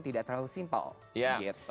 tidak terlalu simple